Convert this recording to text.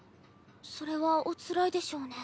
それはおつらいでしょうね。